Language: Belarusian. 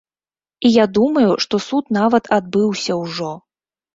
І я думаю, што суд нават адбыўся ўжо.